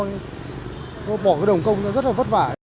nó bỏ cái đồng công rất là vất vả